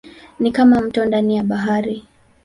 Ni kama mto ndani ya bahari.